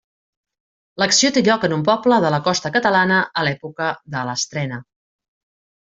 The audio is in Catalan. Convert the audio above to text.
L'acció té lloc en un poble de la costa catalana, a l'època de l'estrena.